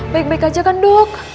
baik baik aja kan dok